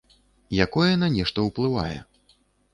Якое на нешта ўплывае.